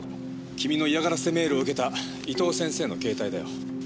君の嫌がらせメールを受けた伊藤先生の携帯だよ。